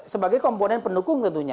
sebagai komponen pendukung tentunya